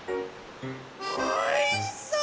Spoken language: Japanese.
おいしそう！